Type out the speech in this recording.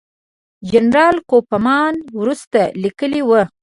جنرال کوفمان وروسته لیکلي وو.